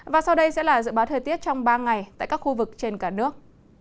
và sau đây sẽ là dự báo thời tiết trong ba ngày tại các khu vực trên cả nước